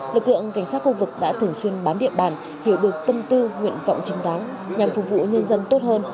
lực lượng cảnh sát khu vực đã thường xuyên bám địa bàn hiểu được tâm tư nguyện vọng chính đáng nhằm phục vụ nhân dân tốt hơn